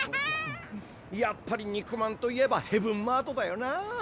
やっぱり肉まんといえばヘブンマートだよなあ。